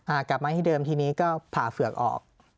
กลับมาที่เดิมทีนี้ก็ผ่าเฝือกออก